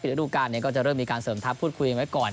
ฤดูการก็จะเริ่มมีการเสริมทัพพูดคุยไว้ก่อน